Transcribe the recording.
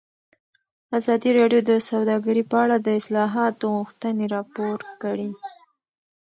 ازادي راډیو د سوداګري په اړه د اصلاحاتو غوښتنې راپور کړې.